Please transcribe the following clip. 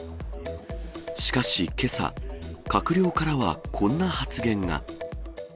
しかし、けさ、閣僚からはこんな発言が。